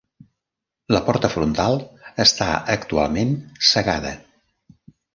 La porta frontal està actualment cegada.